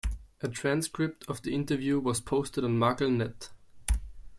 A transcript of the interview was posted on MuggleNet.